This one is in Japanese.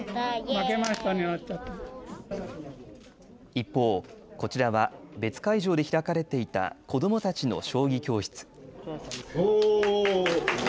一方、こちらは別会場で開かれていた子どもたちの将棋教室。